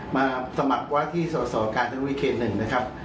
มาสมัครว่าที่สกรรจนบุรีเคส๑นะครับ